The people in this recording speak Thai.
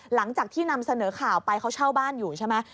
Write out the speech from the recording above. หลังจากที่นำเสนอข่าวไปเขาเช่าบ้านอยู่ใช่ไหม